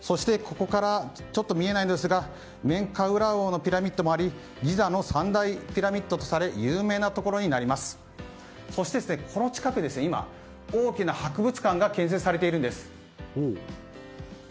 そして、ここからはちょっと見えないのですがメンカウラー王のピラミッドもありギザの三大ピラミッドとして有名でありそして、この近くに大きな博物館が建設されています。